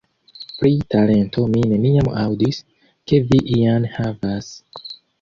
Pri talento mi neniam aŭdis, ke vi ian havas...